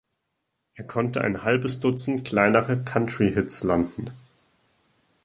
Er konnte ein halbes dutzend kleinere Country-Hits landen.